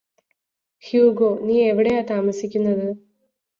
Hugo നീ എവിടെയാ താമസിക്കുന്നത്